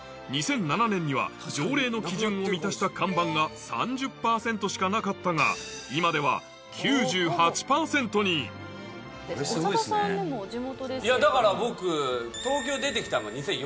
２００７年には条例の基準を満たした看板が３０％しかなかったが今では９８％にだから僕。